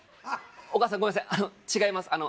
あの違います